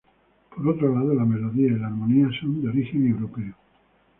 Por otro lado la melodía y la armonía son de origen europeo.